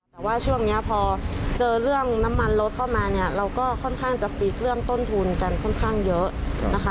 แต่ว่าช่วงนี้พอเจอเรื่องน้ำมันลดเข้ามาเนี่ยเราก็ค่อนข้างจะฟีกเรื่องต้นทุนกันค่อนข้างเยอะนะคะ